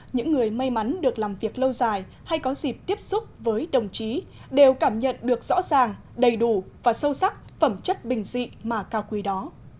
những người may mắn được làm việc lâu dài hay có dịp tiếp xúc với đồng chí đều cảm nhận được rõ ràng đầy đủ và sâu sắc phẩm chất bình dị mà cao quý đó